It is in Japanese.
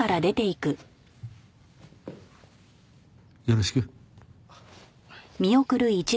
よろしく。